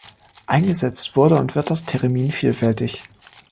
Eingesetzt wurde und wird das Theremin vielfältig.